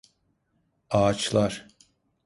Ağaçlar.